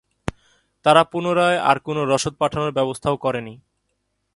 তারা পুনরায় আর কোন রসদ পাঠানোর ব্যবস্থাও করেনি।